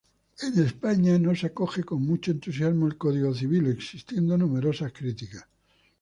En España no se acoge con mucho entusiasmo el Código Civil, existiendo numerosas críticas.